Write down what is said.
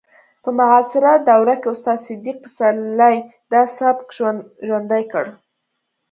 په معاصره دوره کې استاد صدیق پسرلي دا سبک ژوندی کړ